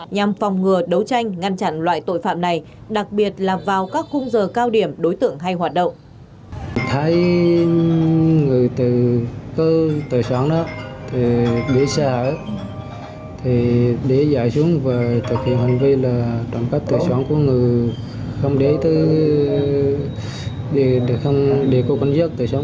nhằm phòng ngừa đấu tranh ngăn chặn loại tội phạm này đặc biệt là vào các khung giờ cao điểm đối tượng hay hoạt động